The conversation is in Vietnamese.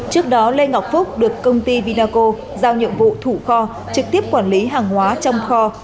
trước đó lê ngọc phúc được công ty vinaco giao nhiệm vụ thủ kho trực tiếp quản lý hàng hóa trong kho